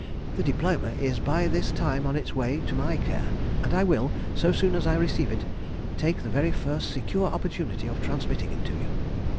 The diploma is by this time on its way to my care, and I will, so soon as I receive it, take the very first secure opportunity of transmitting it to you.